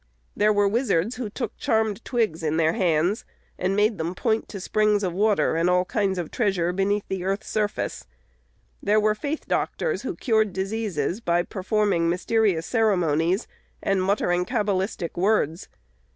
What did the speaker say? There were wizards who took charmed twigs in their hands, and made them point to springs of water and all kinds of treasure beneath the earth's surface. There were "faith doctors," who cured diseases by performing mysterious ceremonies and muttering cabalistic words.